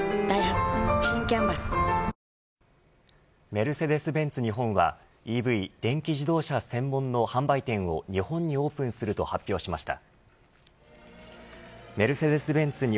メルセデス・ベンツ日本はＥＶ電気自動車専門の販売店を日本にオープンすると発表しました。